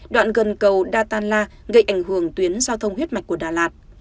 đoạn gần cầu đa tan la gây ảnh hưởng tuyến giao thông huyết mạch của đà lạt